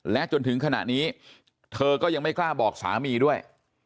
และจนถึงขณะนี้เธอก็ยังไม่กล้าบอกสามีด้วย